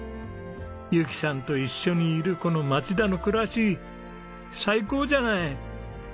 由紀さんと一緒にいるこの町田の暮らし最高じゃない？